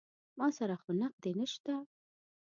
ما سره خو نقدې نه شته.